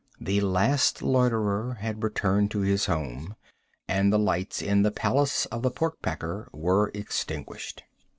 The last loiterer had returned to his home, and the lights in the palace of the pork packer were extinguished.